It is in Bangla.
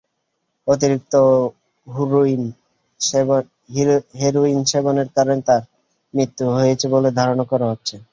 অতিরিক্ত হেরোইন সেবনের কারণে তাঁর মৃত্যু হয়েছে বলে ধারণা করা হচ্ছে।